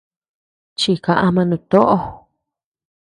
Chíika ama nutoʼo.